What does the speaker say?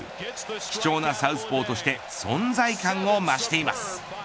貴重なサウスポーとして存在感を増しています。